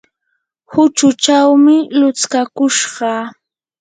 huchuchawmi lutskakushqa.